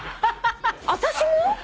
私も？